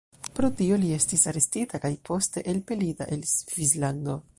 Pro tio, li estis arestita kaj poste elpelita el Svislando.